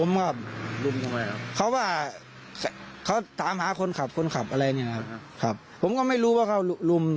ลุมทำไมครับเขาว่าเขาถามหาคนขับคนขับอะไรอย่างนี้ครับผมก็ไม่รู้ว่าเขาลุม